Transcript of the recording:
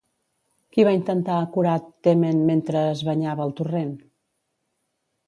Qui va intentar acorar Temen mentre es banyava al torrent?